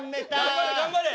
頑張れ頑張れ。